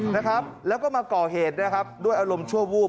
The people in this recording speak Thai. นะครับแล้วก็มาก่อเหตุนะครับด้วยอารมณ์ชั่ววูบ